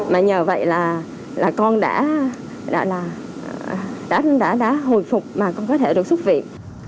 mà nhờ vậy là con đã hồi phục mà con có thể được xuất viện